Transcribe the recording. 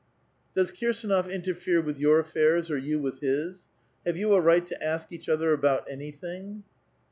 Does Kir sanof interfere with your affairs, or you with his? Have you a right to ask each other about anything?"